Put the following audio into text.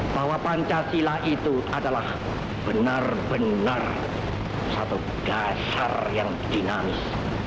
bahwa pancasila itu adalah benar benar satu dasar yang dinamis